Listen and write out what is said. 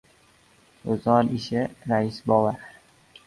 — Ro‘zg‘or ishi, rais bova.